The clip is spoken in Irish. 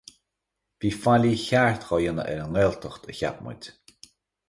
Bhí faillí cheart á dhéanamh ar an nGaeltacht, a cheap muid.